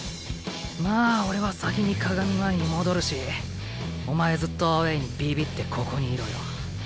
まあ俺は先に鏡前に戻るしお前ずっとアウェーにビビってここにいろよ。